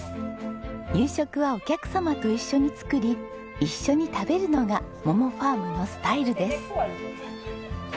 夕食はお客様と一緒に作り一緒に食べるのがｍｏｍｏｆａｒｍのスタイルです。